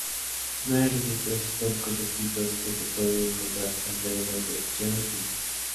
No hay registros históricos escritos que se pueden encontrar alrededor de Jeong Yim 張炎.